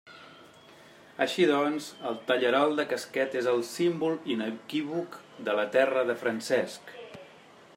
Així doncs, el tallarol de casquet és el símbol inequívoc de la terra de Francesc.